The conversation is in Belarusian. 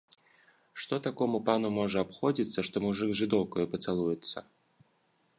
Што такому пану можа абходзіцца, што мужык з жыдоўкаю пацалуюцца?